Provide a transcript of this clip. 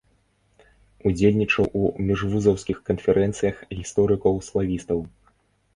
Удзельнічаў у міжвузаўскіх канферэнцыях гісторыкаў-славістаў.